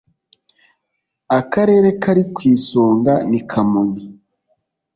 akarere kari ku isonga ni kamonyi